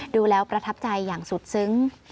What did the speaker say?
ดูแล้วประทับใจอย่างสุดซึ้ง